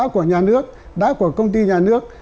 của nhà nước đã của công ty nhà nước